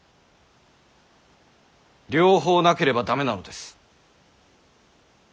両方なければ駄目なのです。